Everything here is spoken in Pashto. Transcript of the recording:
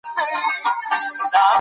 پېښې باید هېري نه سي.